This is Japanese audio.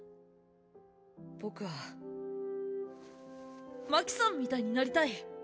僕は真希さんみたいになりたい。